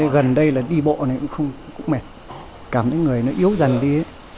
gần đây đi bộ cũng mệt cảm thấy người yếu dần đi